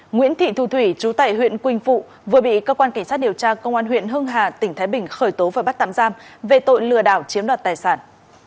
nguyễn thị thu thủy chú tại huyện quỳnh phụ vừa bị cơ quan cảnh sát điều tra công an huyện hưng hà tỉnh thái bình khởi tố và bắt tạm giam về tội lừa đảo chiếm đoạt tài sản